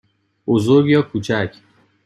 بزرگ یا کوچک؟